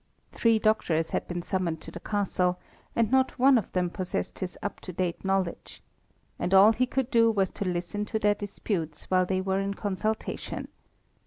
Three doctors had been summoned to the Castle, and not one of them possessed his up to date knowledge. And all he could do was to listen to their disputes while they were in consultation.